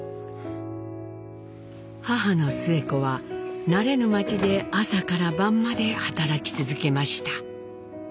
母のスエ子は慣れぬ町で朝から晩まで働き続けました。